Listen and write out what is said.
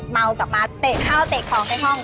เมากลับมาเตะข้าวเตะของในห้อง